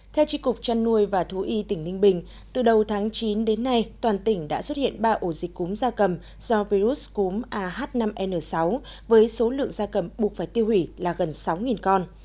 theo tri cục trăn nuôi và thú y tỉnh ninh bình từ đầu tháng chín đến nay toàn tỉnh đã xuất hiện ba ổ dịch cúm da cầm do virus cúm ah năm n sáu với số lượng gia cầm buộc phải tiêu hủy là gần sáu con